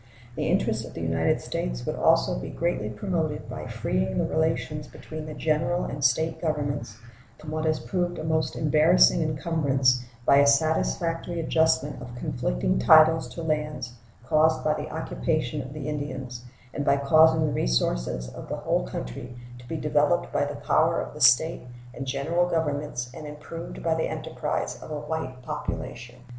The interests of the United States would also be greatly promoted by freeing the relations between the General and State Governments from what has proved a most embarrassing incumbrance by a satisfactory adjustment of conflicting titles to lands caused by the occupation of the Indians, and by causing the resources of the whole country to be developed by the power of the State and General Governments and improved by the enterprise of a white population.